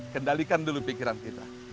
kendalikan dulu pikiran kita